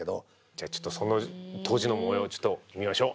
じゃあちょっとその当時のもようをちょっと見ましょう。